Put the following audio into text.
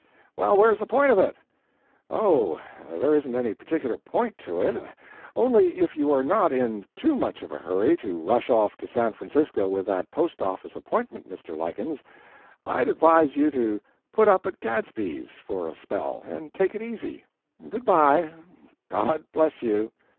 "Well, where's the point of it?" "Oh, there isn't any particular point to it. Only, if you are not in TOO much of a hurry to rush off to San Francisco with that post office appointment, Mr. Lykins, I'd advise you to 'PUT UP AT GADSBY'S' for a spell, and take it easy. Good by. GOD bless you!"